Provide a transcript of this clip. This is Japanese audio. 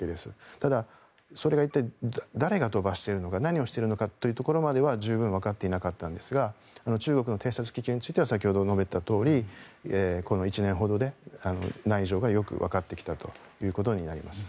ただそれが一体、誰が飛ばしているのか何をしているのかというところまでは十分にわかっていなかったんですが中国の偵察気球については先ほど述べたとおりこの１年ほどで内情がよくわかってきたということになります。